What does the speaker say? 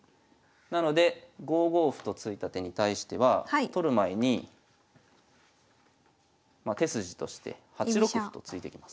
なので５五歩と突いた手に対しては取る前に手筋として８六歩と突いてきます。